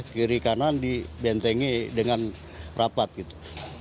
kiri kanan dibentengi dengan rapat gitu